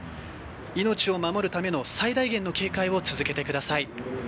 命を守るための最大限の警戒を続けてください。